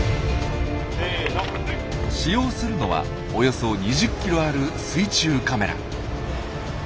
使用するのはおよそ２０キロある水中カメラ。